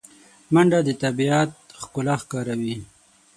منډه د طبیعت ښکلا ښکاروي